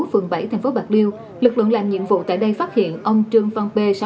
phường bảy thành phố bạc liêu lực lượng làm nhiệm vụ tại đây phát hiện ông trương văn p